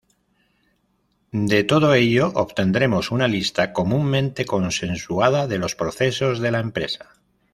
De todo ello obtendremos una lista comúnmente consensuada de los procesos de la empresa.